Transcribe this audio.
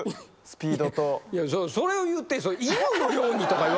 それを言って。